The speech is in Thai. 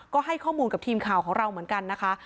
ก็ให้ข้อมูลกับทีมข่าวของเราเหมือนกันนะคะ